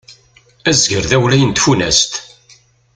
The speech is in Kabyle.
Azger d awlay n tfunast.